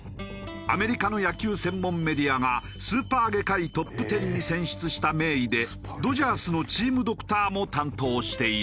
アメリカの野球専門メディアが「スーパー外科医トップ１０」に選出した名医でドジャースのチームドクターも担当している。